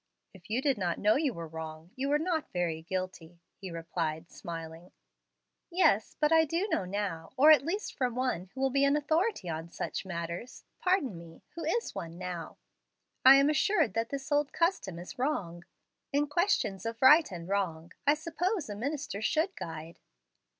"If you did not know you were wrong, you were not very guilty," he replied, smiling. "Yes, but now I do know, or at least from one who will be an authority on such matters pardon me who is one now, I am assured that this old custom is wrong. In questions of right and wrong, I suppose a minister should guide."